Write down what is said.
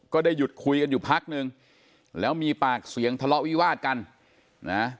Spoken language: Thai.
ได้หยุดคุยกันอยู่พักนึงแล้วมีปากเสียงทะเลาะวิวาดกันนะ